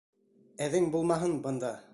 Әҙең булмаһын бында!